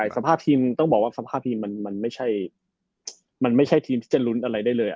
สภาพทีมต้องบอกว่าสภาพทีมมันไม่ใช่ทีมที่จะรุ้นอะไรได้เลยอะ